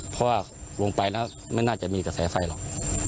เพราะว่าลงไปแล้วไม่น่าจะมีกระแสไฟหรอก